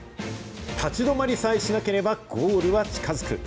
立ち止まりさえしなければゴールは近づく。